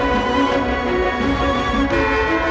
สวัสดีครับสวัสดีครับ